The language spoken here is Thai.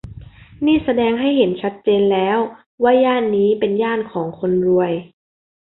นี่แสดงให้เห็นชัดเจนแล้วว่าย่านนี้เป็นย่านของคนรวย